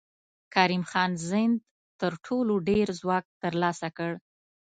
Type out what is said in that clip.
کریم خان زند تر ټولو ډېر ځواک تر لاسه کړ.